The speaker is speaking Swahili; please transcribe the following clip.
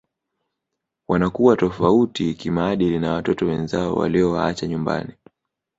Wanakuwa tofauti kimaadili na watoto wenzao waliowaacha nyumbani